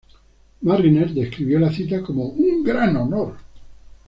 Marriner describió la cita como un "gran honor".